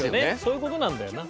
そういうことなんだよな。